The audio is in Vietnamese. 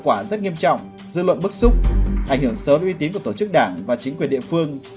hậu quả rất nghiêm trọng dư luận bức xúc ảnh hưởng xấu uy tín của tổ chức đảng và chính quyền địa phương